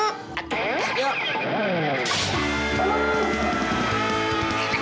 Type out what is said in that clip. tidak tidak tidak tidak tidak